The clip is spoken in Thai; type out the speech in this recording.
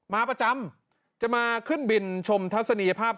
มาประจำจะมาขึ้นบินชมทัศนียภาพ